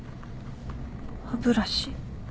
歯ブラシ。